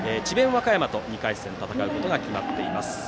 和歌山と２回戦を戦うことが決まっています。